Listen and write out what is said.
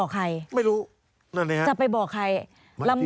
การเลือกตั้งครั้งนี้แน่